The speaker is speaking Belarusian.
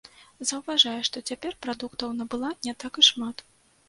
Заўважае, што цяпер прадуктаў набыла не так і шмат.